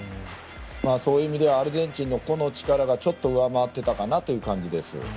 そういう意味ではアルゼンチンの個の力が上回っていたかなという感じです。